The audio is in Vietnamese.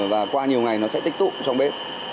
và qua nhiều ngày nó sẽ tích tụ trong bếp